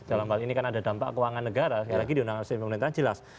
dalam hal ini kan ada dampak keuangan negara sekali lagi di undang undang pemerintah jelas